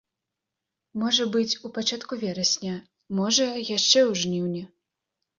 Можа быць, у пачатку верасня, можа яшчэ ў жніўні.